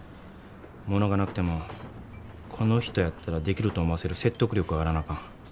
物がなくてもこの人やったらできると思わせる説得力があらなあかん。